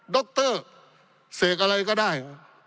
ดรเสกอะไรก็ได้